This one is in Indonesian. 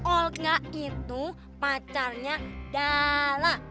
olga itu pacarnya dara